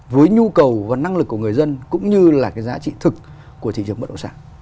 với nhu cầu và năng lực của người dân cũng như là cái giá trị thực của thị trường bất động sản